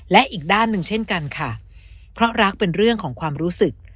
และอีกด้านหนึ่งเช่นกันค่ะเพราะรักเป็นเรื่องของความรู้สึก